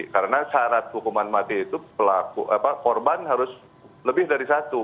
karena syarat hukuman mati itu korban harus lebih dari satu